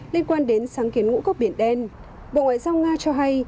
liên quan đến sáng kiến ngũ cốc biển đen bộ ngoại giao nga cho hay